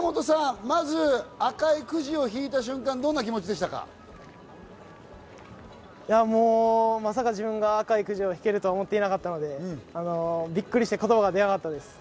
植本さん、まず赤いくじを引まさか自分が赤いくじを引けると思っていなかったので、ビックリして言葉が出なかったです。